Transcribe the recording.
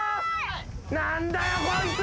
何だよこいつ！